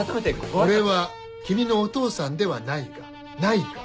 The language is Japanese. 俺は君のお父さんではないがないが。